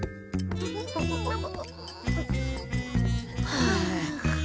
はあ。